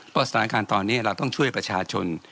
เพราะสถานการณ์ตอนนี้เราต้องช่วยประชาชน